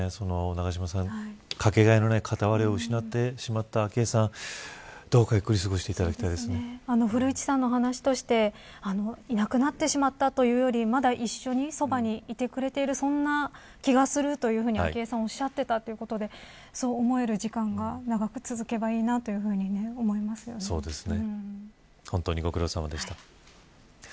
永島さん、かけがえのない片割れを失ってしまった昭恵さん、どうかゆっくり古市さんの話としていなくなってしまったというよりまだ一緒にそばにいてくれているそんな気がするというふうに昭恵さんおしゃっていたということでそう思える時間が長く続けばいいなというふうに本当に、ご苦労さまでした。